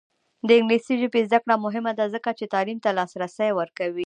د انګلیسي ژبې زده کړه مهمه ده ځکه چې تعلیم ته لاسرسی ورکوي.